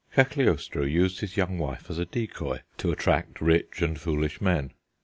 Cagliostro used his young wife as a decoy to attract rich and foolish men.